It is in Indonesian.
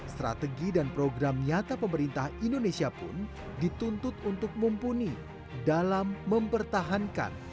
strategi dan program nyata pemerintah indonesia pun dituntut untuk mumpuni dalam mempertahankan